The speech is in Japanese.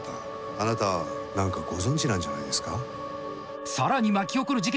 あなた何かご存じなんじゃないですか？